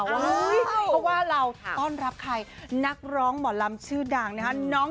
เพราะว่าเราต้องรับผ่านกร้องหมอลำชื่อดัง